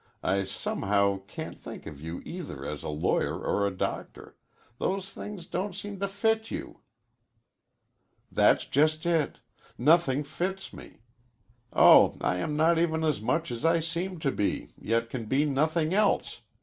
I somehow can't think of you either as a lawyer or a doctor. Those things don't seem to fit you." "That's just it. Nothing fits me. Oh, I am not even as much as I seem to be, yet can be nothing else!"